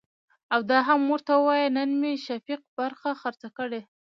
او دا هم ورته وايه نن مې شفيق برخه خرڅه کړه .